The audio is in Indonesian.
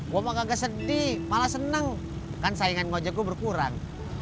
gue mah gak sedih malah seneng kan saingan ngojek gue berkurang